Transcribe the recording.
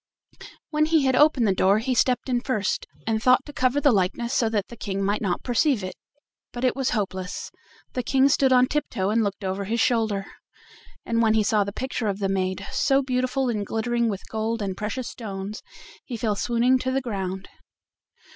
When he had opened the door he stepped in first, and thought to cover the likeness so that the King might not perceive it; but it was hopeless: the King stood on tiptoe and looked over his shoulder. And when he saw the picture of the maid, so beautiful and glittering with gold and precious stones, he fell swooning to the ground.